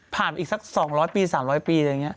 ผ่านอีกสัก๒๐๐ปี๓๐๐ปีอย่างนี้